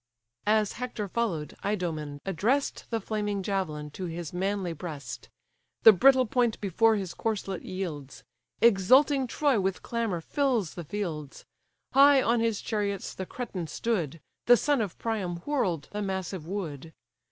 As Hector follow'd, Idomen address'd The flaming javelin to his manly breast; The brittle point before his corslet yields; Exulting Troy with clamour fills the fields: High on his chariots the Cretan stood, The son of Priam whirl'd the massive wood.